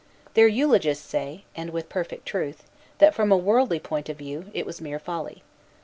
Their eulogists say, and with perfect truth, that, from a worldly point of view, it was mere folly.